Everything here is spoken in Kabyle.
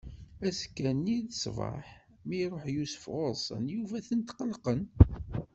Azekka-nni ṣṣbeḥ, mi iṛuḥ Yusef ɣur-sen, yufa-ten tqelqen.